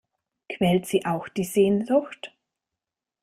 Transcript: Quält Sie auch die Sehnsucht?